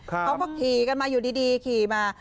เขาก็ขี่กันมาอยู่ดีขี่มา